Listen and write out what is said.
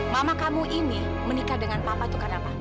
mama kamu ini menikah dengan papa itu karena apa